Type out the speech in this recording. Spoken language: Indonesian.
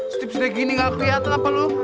stipsnya gini gak kelihatan apa lo